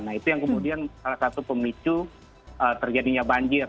nah itu yang kemudian salah satu pemicu terjadinya banjir